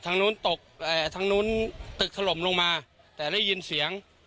ทางนู้นตกทางนู้นตึกถล่มลงมาแต่ได้ยินเสียง